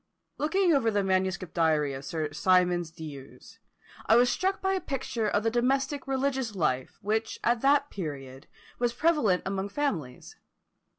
Looking over the manuscript diary of Sir Symonds D'Ewes, I was struck by a picture of the domestic religious life which at that period was prevalent among families.